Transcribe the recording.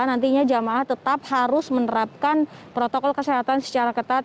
nantinya jemaah tetap harus menerapkan protokol kesehatan secara ketat